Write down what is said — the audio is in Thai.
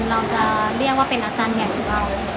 เราจะเรียกว่าเป็นอาจารย์แห่งดุร้าย